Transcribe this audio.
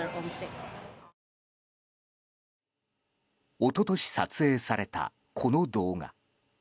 一昨年撮影されたこの動画。